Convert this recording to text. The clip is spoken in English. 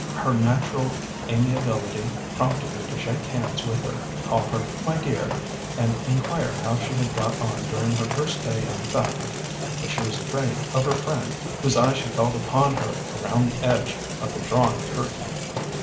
Her natural amiability prompted her to shake hands with her, call her "my dear," and inquire how she had got on during her first day in the factory, but she was afraid of her friend, whose eye she felt upon her around the edge of the drawn curtain.